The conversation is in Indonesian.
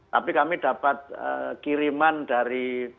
tapi kami dapat kiriman dari